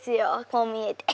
こう見えて。